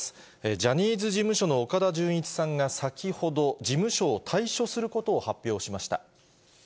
ジャニーズ事務所の岡田准一さんが先ほど、事務所を退所することを発表しました。